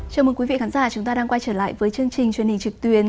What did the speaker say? chào mừng quý vị khán giả chúng ta đang quay trở lại với chương trình truyền hình trực tuyến